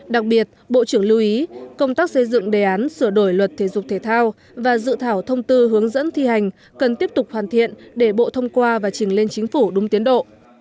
đặc biệt bộ trưởng lưu ý công tác xây dựng đề án sửa đổi luật thể dục thể thao và dự thảo thông tư hướng dẫn thi hành cần tiếp tục hoàn thiện để bộ thông qua và trình lên chính phủ đúng tiến độ